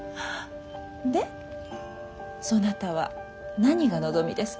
でそなたは何が望みですか？